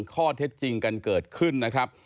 ข้อเท็จจริงกันเกิดขึ้นนะครับ